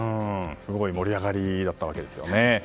すごい盛り上がりだったわけですよね。